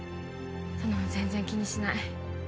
そんなの全然気にしない